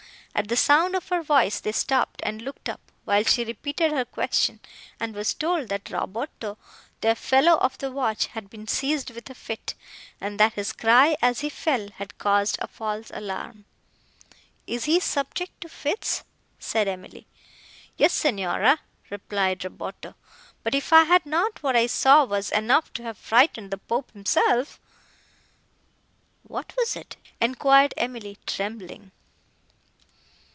At the sound of her voice, they stopped, and looked up, while she repeated her question, and was told, that Roberto, their fellow of the watch, had been seized with a fit, and that his cry, as he fell, had caused a false alarm. "Is he subject to fits?" said Emily. "Yes, Signora," replied Roberto; "but if I had not, what I saw was enough to have frightened the Pope himself." "What was it?" enquired Emily, trembling.